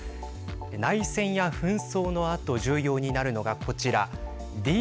内戦や紛争のあと重要になるのがこちら。